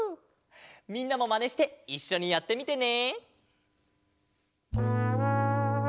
みんなもまねしていっしょにやってみてね！